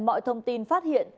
mọi thông tin phát hiện